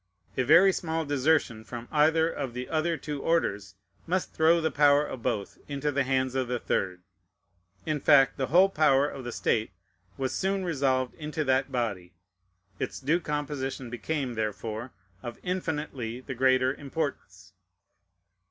A very small desertion from either of the other two orders must throw the power of both into the hands of the third. In fact, the whole power of the state was soon resolved into that body. Its due composition became, therefore, of infinitely the greater importance.